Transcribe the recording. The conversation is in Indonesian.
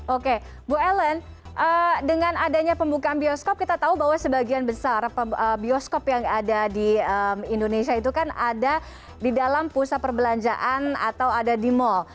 oke bu ellen dengan adanya pembukaan bioskop kita tahu bahwa sebagian besar bioskop yang ada di indonesia itu kan ada di dalam pusat perbelanjaan atau ada di mal